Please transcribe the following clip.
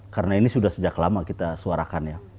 karena ini sudah sejak lama kita suarakan